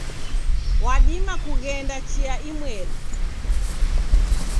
Wadima kughenda chia imweri